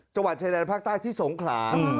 จังหวัดชายแดนภาคใต้ที่สงขลา